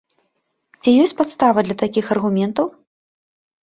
Ці ёсць падстава для такіх аргументаў?